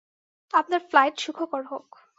আপনার ফ্লাইট সুখকর হোক।